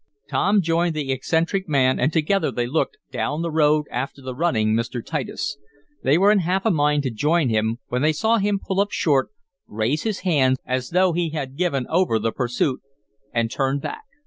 Tom joined the eccentric man and together they looked down the road after the running Mr. Titus. They were in half a mind to join him, when they saw him pull up short, raise his hands as though he had given over the pursuit, and turn back.